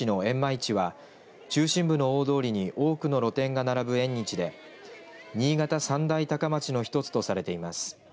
市は中心部の大通りに多くの露店が並ぶ縁日で新潟三大高市の１つとされています。